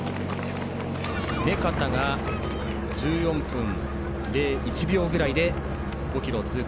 目片が、１４分１秒くらいで５ｋｍを通過。